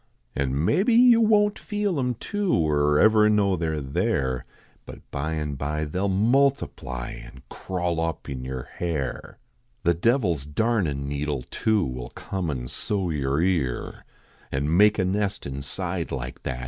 An mebbe you won t feel em, too, Ivr ever know they re there, But by and by they ll multiply And crawl up in yer hair. ii4 THE WOODTICKS The devil s darnin needle, too, 111 come and sew yer ear. An make a nest inside like that.